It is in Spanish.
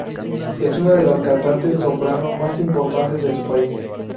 Es una de las cantantes soprano más importantes de su país.